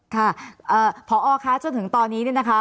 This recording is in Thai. ค่ะพอคะจนถึงตอนนี้เนี่ยนะคะ